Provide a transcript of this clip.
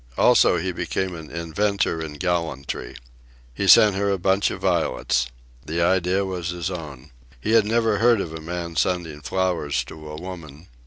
Also, he became an inventor in gallantry. He sent her a bunch of violets. The idea was his own. He had never heard of a man sending flowers to a woman.